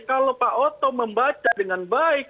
kalau pak oto membaca dengan baik